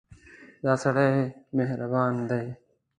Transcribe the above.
دا سړی مهربان دی.